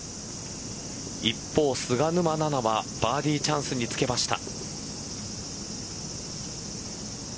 一方、菅沼菜々はバーディーチャンスにつけました。